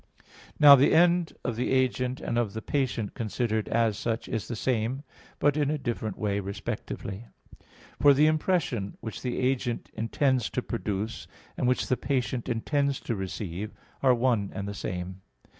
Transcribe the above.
Now the end of the agent and of the patient considered as such is the same, but in a different way respectively. For the impression which the agent intends to produce, and which the patient intends to receive, are one and the same.